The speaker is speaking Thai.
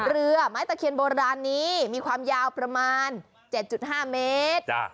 เรือไม้ตะเคียนโบราณนี้มีความยาวประมาณ๗๕เมตร